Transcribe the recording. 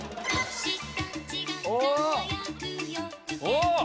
お！